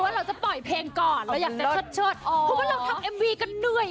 กับเพลงที่มีชื่อว่ากี่รอบก็ได้